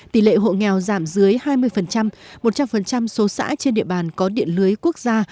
tỷ lệ hộ nghèo giảm dưới hai mươi một trăm linh số xã trên địa bàn có điện lưới quốc gia